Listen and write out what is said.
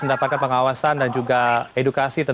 mendapatkan pengawasan dan juga edukasi